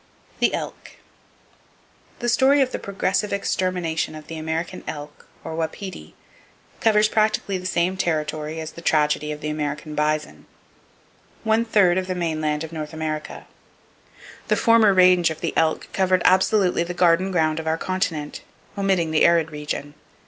The Elk. —The story of the progressive extermination of the American elk, or wapiti, covers practically the same territory as the tragedy of the American bison—one third of the mainland of North America. The former range of the elk covered absolutely the garden ground of our continent, omitting the arid region.